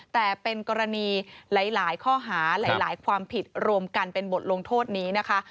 แต่เป็นกรณีหลายข้อหาหลายความผิดรวมกันเป็นบทลงโทษนี้นะคะ